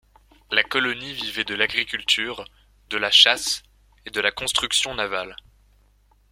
La colonie vivait de l'agriculture, de la chasse et de la construction navale.